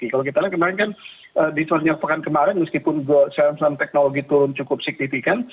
kalau kita lihat kemarin kan di selanjutnya pekan kemarin meskipun saham saham teknologi turun cukup signifikan